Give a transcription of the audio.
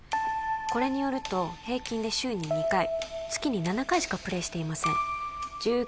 これによると平均で週に２回月に７回しかプレイしていません